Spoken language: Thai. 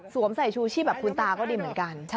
ใส่ชูชีพแบบคุณตาก็ดีเหมือนกัน